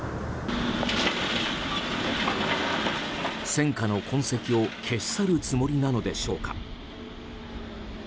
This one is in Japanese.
戦禍の痕跡を消し去るつもりなのでしょうか。